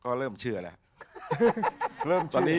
ก็เริ่มเชื่อแล้ว